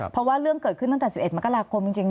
เพราะว่าเรื่องเกิดขึ้นตั้งแต่๑๑มกราคมจริง